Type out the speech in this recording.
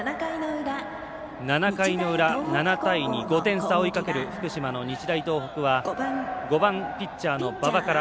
７回の裏７対２、５点差を追いかける福島の日大東北は５番ピッチャーの馬場から。